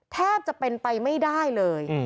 แทบจะเป็นไปไม่ได้เลย